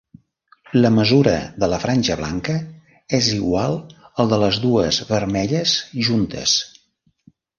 La mesura de la franja blanca és igual al de les dues vermelles juntes.